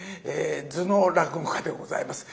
頭脳落語家でございます。